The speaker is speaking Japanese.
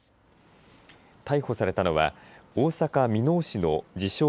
逮捕されたのは大阪、箕面市の自称